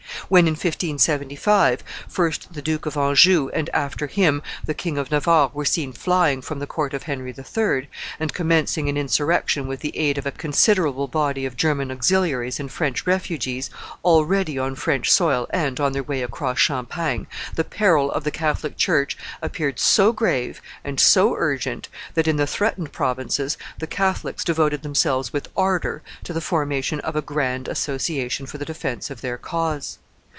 When, in 1575, first the Duke of Anjou and after him the King of Navarre were seen flying from the court of Henry III. and commencing an insurrection with the aid of a considerable body of German auxiliaries and French refugees, already on French soil and on their way across Champagne, the peril of the Catholic church appeared so grave and so urgent that, in the threatened provinces, the Catholics devoted themselves with ardor to the formation of a grand association for the defence of their cause.